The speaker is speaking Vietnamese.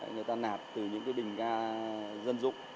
người ta nạp từ những cái bình ga dân dụng